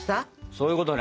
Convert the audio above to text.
そういうことね！